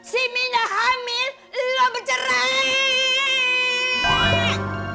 si minah hamil lu bercerai